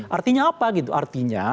artinya apa gitu artinya